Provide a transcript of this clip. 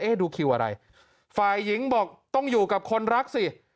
ดูคิวอะไรฝ่ายหญิงบอกต้องอยู่กับคนรักสิ